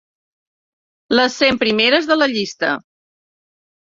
Les cent primeres de la llista.